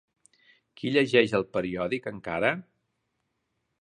Qui llegeix el periòdic, encara?